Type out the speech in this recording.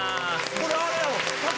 これあれやろ。